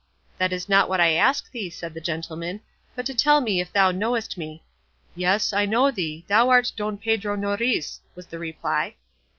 "That is not what I ask thee," said the gentleman, "but to tell me if thou knowest me." "Yes, I know thee, thou art Don Pedro Noriz," was the reply.